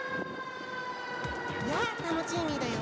やあタノチーミーだよ。